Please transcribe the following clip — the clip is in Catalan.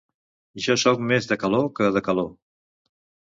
Jo soc més de calor que de calor.